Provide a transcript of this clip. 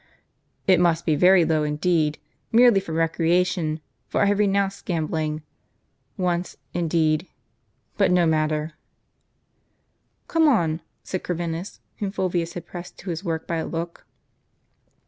" It must be very low indeed, — merely for recreation ; for I have renounced gambling. Once, indeed — but no matter." " Come on," said Corvinus, whom Fulvius had pressed to his work by a look.